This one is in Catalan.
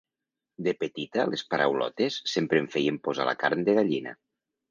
De petita, les paraulotes sempre em feien posar la carn de gallina.